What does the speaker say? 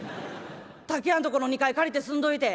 竹やんとこの２階借りて住んどいて。